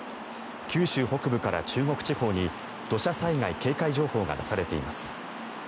九州北部から中国地方に土砂災害警戒情報が出されています。